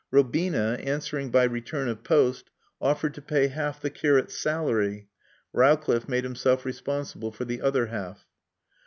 Robina, answering by return of post, offered to pay half the curate's salary. Rowcliffe made himself responsible for the other half.